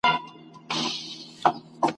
ستا د هري شېبې واک د خپل بادار دی ..